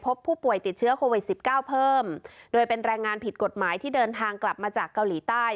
พบผู้ป่วยติดเชื้อโควิดสิบเก้าเพิ่มโดยเป็นแรงงานผิดกฎหมายที่เดินทางกลับมาจากเกาหลีใต้